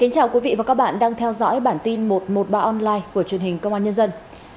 chào mừng quý vị đến với bản tin một trăm một mươi ba online của truyền hình công an nhân dân